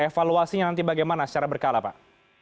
evaluasinya nanti bagaimana secara berkala pak